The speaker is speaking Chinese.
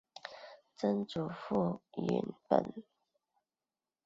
曾祖父尹务本。